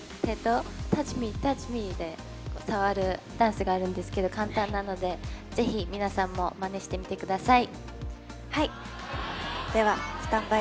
「ｔｏｕｃｈｍｅ，ｔｏｕｃｈｍｅ」で触るダンスがあるんですけど簡単なので、ぜひ皆さんもまねしてみてください。